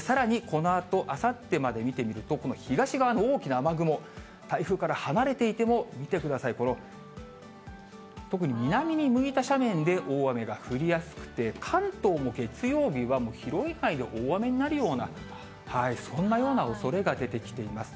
さらにこのあと、あさってまで見てみるとこの東側の大きな雨雲、台風から離れていても、見てください、この、特に南に向いた斜面で大雨が降りやすくて、関東も月曜日はもう広い範囲で大雨になるような、そんなようなおそれが出てきています。